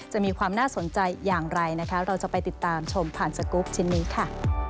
จะมีความน่าสนใจอย่างไรนะคะเราจะไปติดตามชมผ่านสกรูปชิ้นนี้ค่ะ